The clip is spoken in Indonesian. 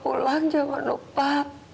pulang jangan lupa